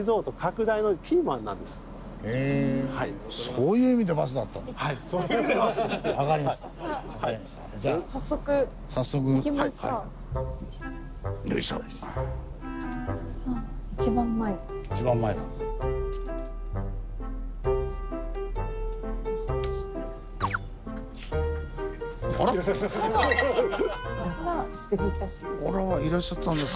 どうも失礼いたします。